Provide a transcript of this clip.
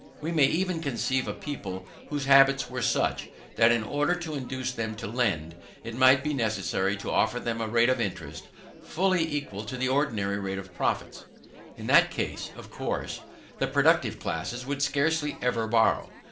We may even conceive a people whose habits were such, that in order to induce them to lend, it might be necessary to offer them a rate of interest fully equal to the ordinary rate of profit. In that case, of course, the productive classes would scarcely ever borrow.